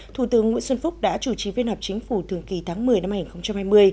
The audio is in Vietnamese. thủ tướng nguyễn xuân phúc đã chủ trì viên họp chính phủ thường kỳ tháng một mươi năm hai nghìn hai mươi